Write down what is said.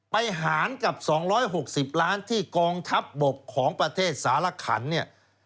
หารกับ๒๖๐ล้านที่กองทัพบกของประเทศสารขันเนี่ย